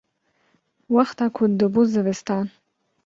wexta ku dibû zivistan